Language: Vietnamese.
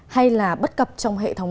hay là bất cập trong hệ thống